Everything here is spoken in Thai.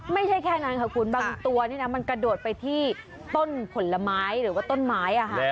ไม่ใช่แค่นั้นค่ะคุณบางตัวนี่นะมันกระโดดไปที่ต้นผลไม้หรือว่าต้นไม้